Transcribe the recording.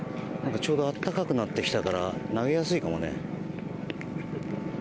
ちょうど暖かくなってきたから投げやすいかもね。